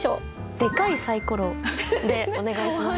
「デカいサイコロ」でお願いします。